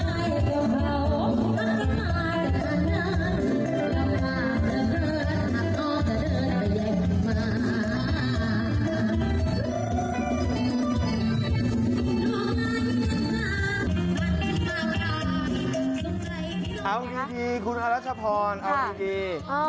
อ้าวพี่กีคุณฮารัชพรค่ะอ่าวพี่กีอ่าว